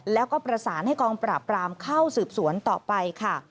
แล้วก็ประสานให้กองปราบรามเข้าสืบสวนต่อไปค่ะ